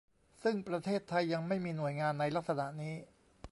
ซึ่งประเทศไทยยังไม่มีหน่วยงานในลักษณะนี้